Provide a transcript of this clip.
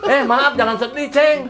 eh maaf jangan sedih ceng